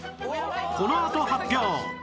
このあと発表！